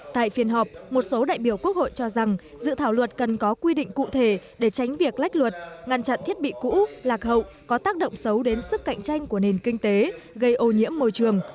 tại phiên họp một số đại biểu quốc hội cho rằng dự thảo luật cần có quy định cụ thể để tránh việc lách luật ngăn chặn thiết bị cũ lạc hậu có tác động xấu đến sức cạnh tranh của nền kinh tế gây ô nhiễm môi trường